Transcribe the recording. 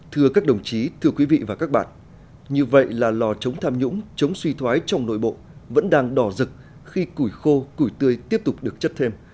thưa các đồng chí thưa quý vị và các bạn như vậy là lò chống tham nhũng chống suy thoái trong nội bộ vẫn đang đỏ rực khi củi khô củi tươi tiếp tục được chất thêm